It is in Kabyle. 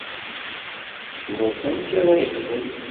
Sken-as amek ara yexdem.